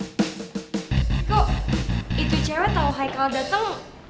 kok itu cewek tau haikal dateng